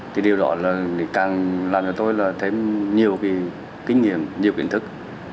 thì điều đó càng làm cho tôi thêm nhiều kinh nghiệm nhiều kiến thức